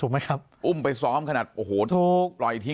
ปากกับภาคภูมิ